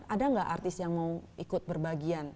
ada nggak artis yang mau ikut berbagian